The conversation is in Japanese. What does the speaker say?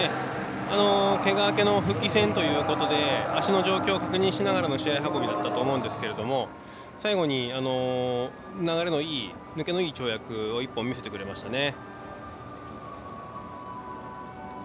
けが明けの復帰戦ということで足の状況を確認しながらの試合運びだったと思いますが最後に流れのいい抜けのいい跳躍を１本見せてくれましたね。